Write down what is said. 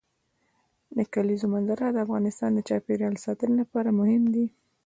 د کلیزو منظره د افغانستان د چاپیریال ساتنې لپاره مهم دي.